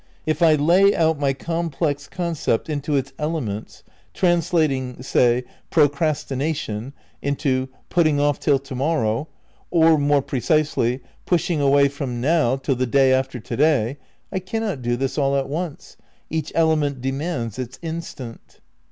If I lay out my complex concept into its elements, translating, say, "procrastination" into "putting off till to morrow," or more precisely, "pushing away from now till the day af ter to day, " I cannot do this all at once, each element demands its instant.